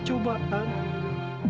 saya hanya menyenangkan